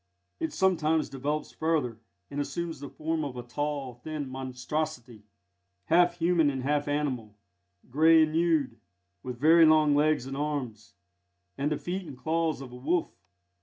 It sometimes develops further, and assumes the form of a tall, thin monstrosity, half human and half animal, grey and nude, with very long legs and arms, and the feet and claws of a wolf.